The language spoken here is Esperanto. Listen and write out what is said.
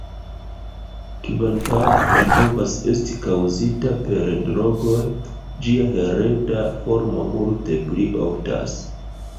Kvankam ĝi povas esti kaŭzita per drogoj, ĝia hereda formo multe pli oftas.